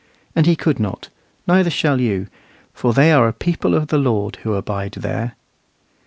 And he could not, neither shall you, for they are a people of the Lord who abide there.